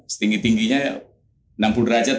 setinggi tingginya enam puluh derajat